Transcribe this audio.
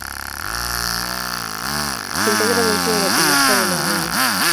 Se integra dentro de la comarca de La Armuña.